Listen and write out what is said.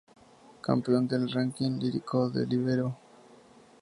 Campeón del Ranking Lírico de Libero.